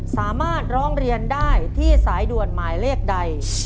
สามารถร้องเรียนได้ที่สายด่วนหมายเลขใด